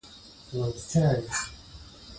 کلي د چاپیریال ساتنې لپاره ډېر مهم دي.